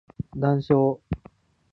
談笑